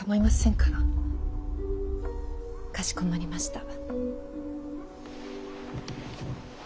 かしこまりました。